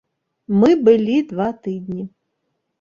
Мы былі два тыдні.